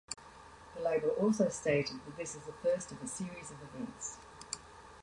The label also stated that this is the first of a series of events.